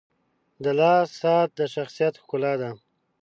• د لاس ساعت د شخصیت ښکلا ده.